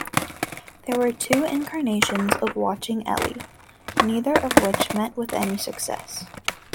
There were two incarnations of "Watching Ellie", neither of which met with any success.